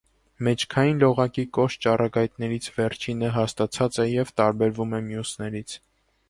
Մեջքային լողակի կոշտ ճառագայթներից վերջինը հաստացած է և տարբերվում է մյուսներից։